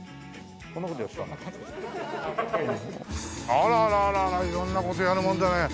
あららら色んな事やるもんだねえ。